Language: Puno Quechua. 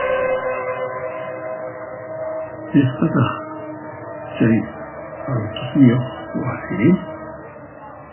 Piqpataq chay altosniyoq wasiri?